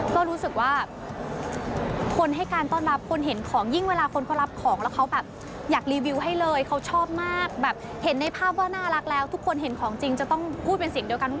ก็รู้สึกว่าคนให้การต้อนรับคนเห็นของยิ่งเวลาคนเขารับของแล้วเขาแบบอยากรีวิวให้เลยเขาชอบมากแบบเห็นในภาพว่าน่ารักแล้วทุกคนเห็นของจริงจะต้องพูดเป็นเสียงเดียวกันว่า